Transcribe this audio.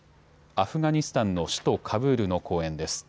アフガニスタンの首都カブールの公園です。